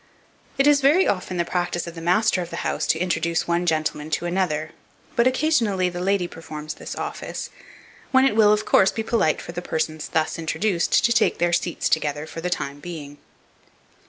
It is very often the practice of the master of the house to introduce one gentleman to another, but occasionally the lady performs this office; when it will, of course, be polite for the persons thus introduced to take their seats together for the time being.